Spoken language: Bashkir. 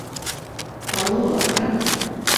Алло, охрана!